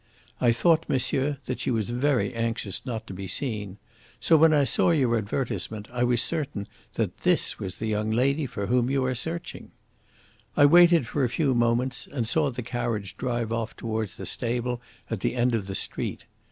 I thought, monsieur, that she was very anxious not to be seen. So when I saw your advertisement I was certain that this was the young lady for whom you are searching. "I waited for a few moments and saw the carriage drive off towards the stable at the end of the street.